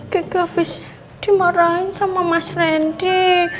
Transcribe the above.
kiki habis dimarahin sama mas randy